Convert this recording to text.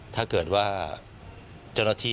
ถ้าเกิดว่าเจ้าหน้าที่